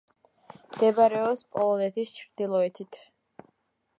მდებარეობს პოლონეთის ჩრდილოეთით.